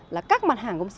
là các mặt hàng